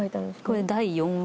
これ第４腕。